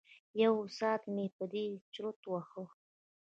یو ساعت مې په دې چرت وهه.